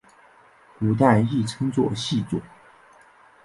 古代亦称作细作。